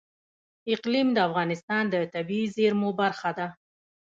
اقلیم د افغانستان د طبیعي زیرمو برخه ده.